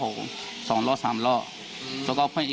อื้อหือ